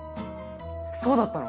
そうだったの？